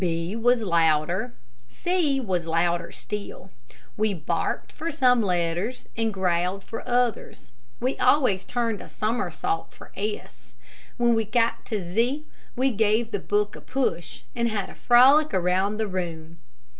B was louder. C was louder still. We barked for some letters, and growled for others. We always turned a summersault for S. When we got to Z, we gave the book a push and had a frolic around the room.